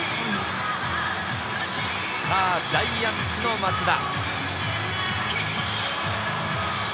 さぁジャイアンツの松田。